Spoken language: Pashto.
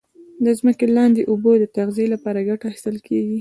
د ځمکې لاندي اوبو د تغذیه لپاره کټه اخیستل کیږي.